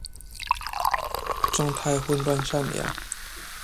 狀態混亂善良